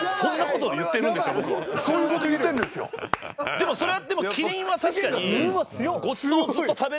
でもそれはでもキリンは確かに。